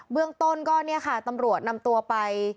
เบื้องต้นตำรวจก็นำตัวไป